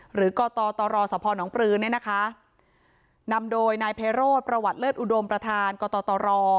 หรือก็ตอตรอสพนองปรือเนี่ยนะคะนำโดยนายเพศรสประวัติเลิศอุดมประธานกตตรอ